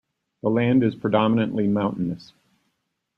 The land is predominantly mountainous.